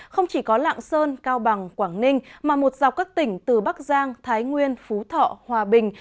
không chỉ có lạng sơn cao bằng quảng ninh mà một dọc các tỉnh từ bắc giang thái nguyên phú thọ hòa bình